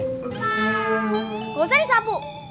gak usah disapu